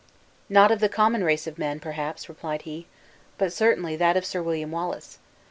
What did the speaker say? "Not of the common race of men, perhaps," replied he; "but certainly that of Sir William Wallace.